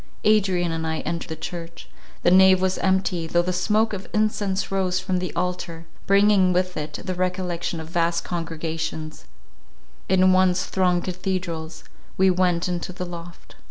Adrian and I entered the church; the nave was empty, though the smoke of incense rose from the altar, bringing with it the recollection of vast congregations, in once thronged cathedrals; we went into the loft.